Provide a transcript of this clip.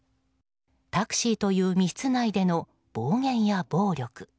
タクシーという密室内での暴言や暴力。